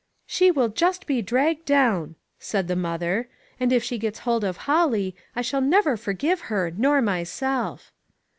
"She will just be dragged down," said the mother, " and if she gets hold of Holly, I shall never forgive her nor myself."